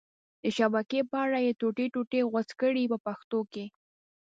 د شبکې په اره یې ټوټې ټوټې غوڅ کړئ په پښتو کې.